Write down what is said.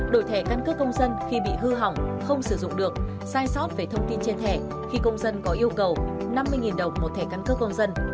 đổi thẻ căn cước công dân khi bị hư hỏng không sử dụng được sai sót về thông tin trên thẻ khi công dân có yêu cầu năm mươi đồng một thẻ căn cước công dân